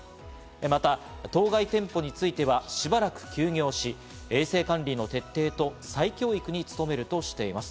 また当該店舗については、しばらく休業し、衛生管理の徹底と再教育につとめるとしています。